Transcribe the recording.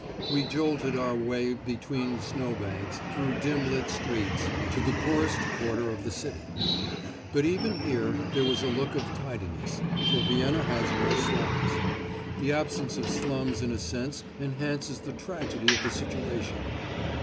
We jolted our way between snow banks, through dim lit streets, to the poorest quarter of the city. But even here there was a look of tidiness, for Vienna has no slums. The absence of slums in a sense enhances the tragedy of the situation.